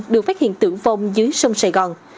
được phát hiện tử vong dưới sông sài gòn